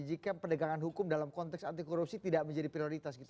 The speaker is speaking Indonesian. jika pendegangan hukum dalam konteks anti korupsi tidak menjadi prioritas gitu